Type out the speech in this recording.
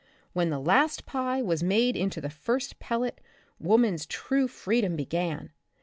When the last pie was made into the first pellet, woman's true freedom began.